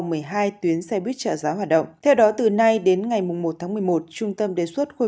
một mươi hai tuyến xe buýt trợ giá hoạt động theo đó từ nay đến ngày một tháng một mươi một trung tâm đề xuất khôi